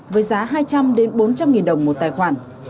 với giá hai trăm linh bốn trăm linh nghìn đồng một tài khoản